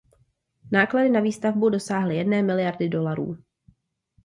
Náklady na výstavbu dosáhly jedné miliardy dolarů.